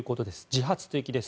自発的です。